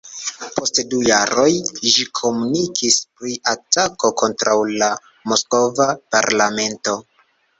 Post du jaroj ĝi komunikis pri atako kontraŭ la moskva parlamento.